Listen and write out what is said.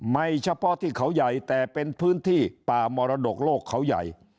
เฉพาะที่เขาใหญ่แต่เป็นพื้นที่ป่ามรดกโลกเขาใหญ่